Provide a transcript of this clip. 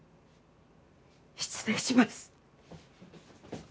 失礼します。